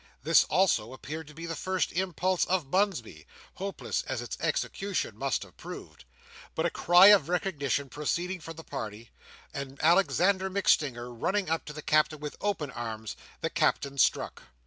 This also appeared to be the first impulse of Bunsby, hopeless as its execution must have proved. But a cry of recognition proceeding from the party, and Alexander MacStinger running up to the Captain with open arms, the Captain struck.